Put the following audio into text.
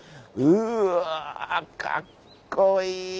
うわかっこいい！